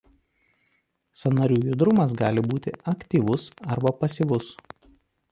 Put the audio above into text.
Sąnarių judrumas gali būti aktyvus arba pasyvus.